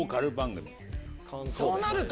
そうなると。